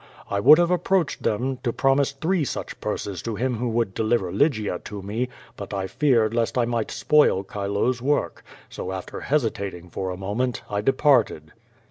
I would have approached them, to prom ise three such purses to him who would deliver Lygia to me, but I feared lest I might spoil Chilo's work; so, after hesitating for a moment, I departed.